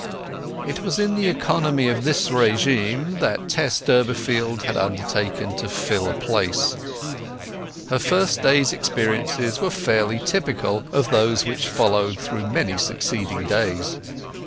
It was in the economy of this régime that Tess Durbeyfield had undertaken to fill a place. Her first day's experiences were fairly typical of those which followed through many succeeding days.